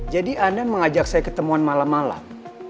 jadi anda mengajak saya ketemuan malam malam